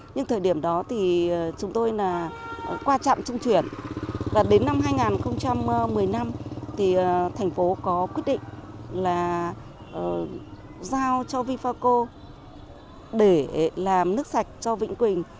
nhưng thời điểm đó thì chúng tôi là qua trạm trung chuyển là đến năm hai nghìn một mươi năm thì thành phố có quyết định là giao cho vifaco để làm nước sạch cho vĩnh quỳnh